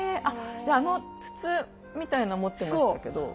じゃああの筒みたいなの持ってましたけど。